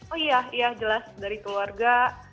oh iya iya jelas dari keluarga